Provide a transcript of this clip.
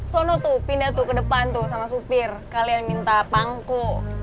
sono tuh pindah tuh ke depan tuh sama supir sekalian minta pangku